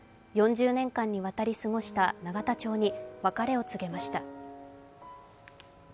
４０年間にわたり過ごした永田町に別れを告げました。